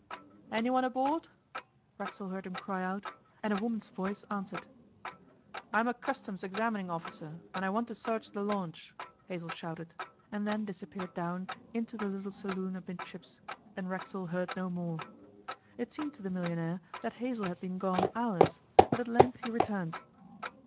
'Anyone aboard?' Racksole heard him cry out, and a woman's voice answered. 'I'm a Customs examining officer, and I want to search the launch,' Hazell shouted, and then disappeared down into the little saloon amidships, and Racksole heard no more. It seemed to the millionaire that Hazell had been gone hours, but at length he returned.